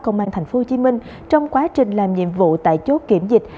công an tp hcm trong quá trình làm nhiệm vụ tại chốt kiểm dịch